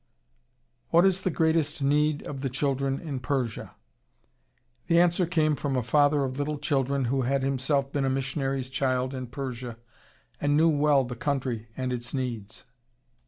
"What is the greatest need of the children in Persia?" The answer came from a father of little children who had himself been a missionary's child in Persia and knew well the country and its needs.